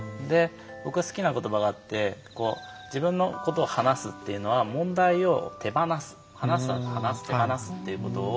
僕が好きな言葉があって自分のことを話すっていうのは問題を手放すっていうことを。